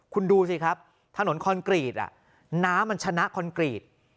คุณดูสิครับถนนคอนกรีตน้ำมันชนะคอนกรีต